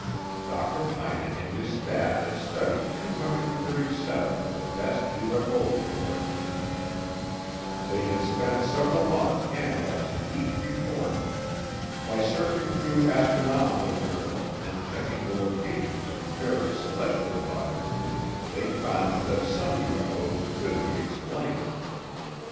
Dr. Hynek and his staff had studied 237 of the best UFO reports. They had spent several months analyzing each report. By searching through astronomical journals and checking the location of various celestial bodies, they found that some UFO's could be explained.